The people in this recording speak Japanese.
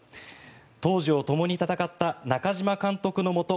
当時をともに戦った中嶋監督のもと